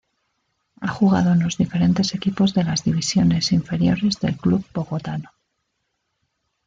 Ha jugado en los diferentes equipos de las divisiones inferiores del club bogotano.